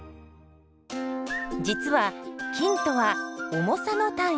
実は「斤」とは「重さ」の単位。